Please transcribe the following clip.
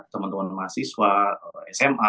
teman teman mahasiswa sma